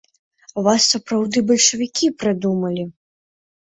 Вас сапраўды бальшавікі прыдумалі!